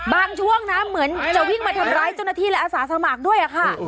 ช่วงนะเหมือนจะวิ่งมาทำร้ายเจ้าหน้าที่และอาสาสมัครด้วยค่ะ